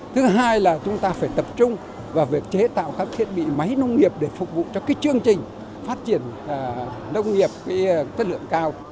thứ hai là chúng ta phải tập trung vào việc chế tạo các thiết bị máy nông nghiệp để phục vụ cho chương trình phát triển nông nghiệp chất lượng cao